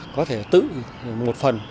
có thể tự một phần